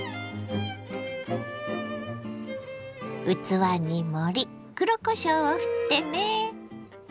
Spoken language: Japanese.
器に盛り黒こしょうをふってね。